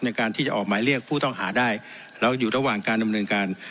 ในการที่จะออกหมายเรียกผู้ต้องหาได้แล้วอยู่ระหว่างการดำเนินการ